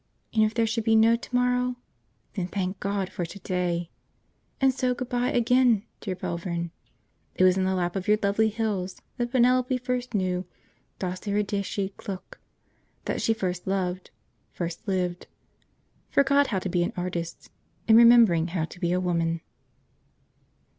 And if there should be no to morrow? Then thank God for to day! And so good bye again, dear Belvern! It was in the lap of your lovely hills that Penelope first knew das irdische Gluck; that she first loved, first lived; forgot how to be artist, in remembering how to be woman.